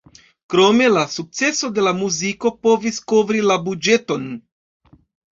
Krome, la sukceso de la muziko povis kovri la buĝeton.